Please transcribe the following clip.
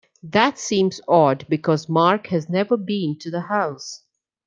That seems odd because Mark has never been to the house.